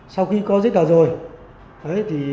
sau khi có rít đỏ rồi